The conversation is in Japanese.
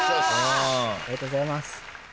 ありがとうございます。